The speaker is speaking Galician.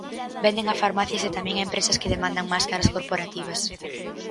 Venden a farmacias e tamén a empresas que demandan máscaras corporativas.